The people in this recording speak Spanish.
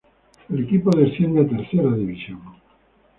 El equipo desciende a Tercera División.